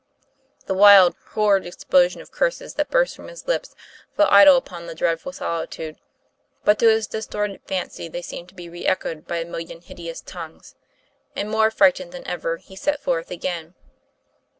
The wild, horrid explosion of curses that burst from his lips fell idle upon the dreadful solitude, but to his distorted fancy they seemed to be re echoed TOM PLAYFAIR. 251 by a million hideous tongues; and more affrighted than ever, he set forward again.